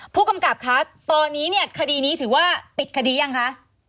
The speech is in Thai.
ผู้กำกับคะตอนนี้เนี่ยคดีนี้ถือว่าปิดคดียังคะ